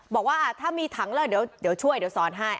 บอกว่าถ้ามีถังแล้วเดี๋ยวช่วยเดี๋ยวสอนให้